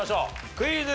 クイズ。